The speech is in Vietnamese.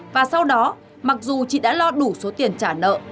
và sau đó mặc dù chị đã lo đủ số tiền trả nợ